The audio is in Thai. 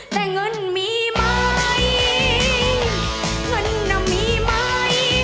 แต่เงินมีไหมเงินน่ะมีไหม